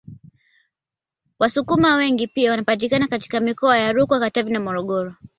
Wasukuma wengi pia wanapatikana katika mikoa ya Rukwa Katavi na Morogoro